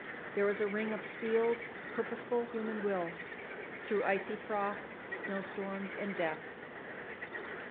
There is a ring of steeled, purposeful human will through icy frosts, snowstorms, and death.